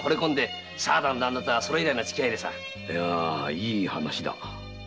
いい話だ。